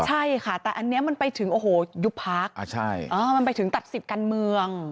ใช่ค่ะแต่อันนี้มันไปถึงยุพักมันไปถึงตัดสิบกันเมือง